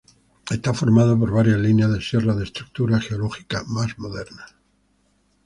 Está formado por varias líneas de sierras de estructura geológica más moderna.